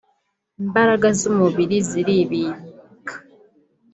imbaraga z’umubiri ziribika